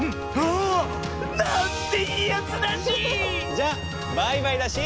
じゃバイバイだし！